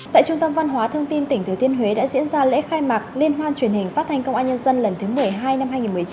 tại trung tâm văn hóa thông tin tỉnh thừa thiên huế đã diễn ra lễ khai mạc liên hoan truyền hình phát thanh công an nhân dân lần thứ một mươi hai năm hai nghìn một mươi chín